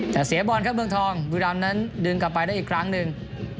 แต่เสียบอลครับเมืองทองบุรีรำนั้นดึงกลับไปได้อีกครั้งหนึ่ง